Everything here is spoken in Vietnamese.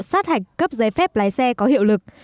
sát hạch cấp giấy phép lái xe có hiệu lực